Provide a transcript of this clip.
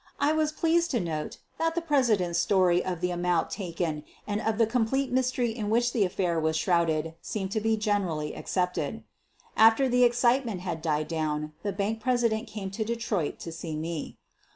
I was pleased to note that the presi dent's story of the amount taken and of the complete mystery in which the affair was shrouded seemed to be generally accepted. After the excitement had died down the bank president came to Detroit to see me.